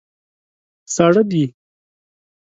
ساړه دي.